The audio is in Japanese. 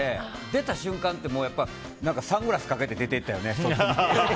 出た瞬間って、サングラスかけて出ていったよね、外に。